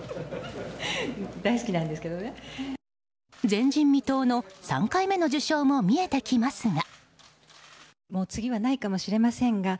前人未到の３回目の受賞も見えてきますが。